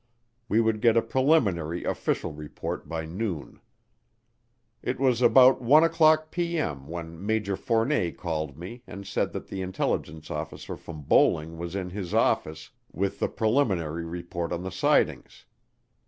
We would get a preliminary official report by noon. It was about 1:00P.M. when Major Fournet called me and said that the intelligence officer from Bolling was in his office with the preliminary report on the sightings.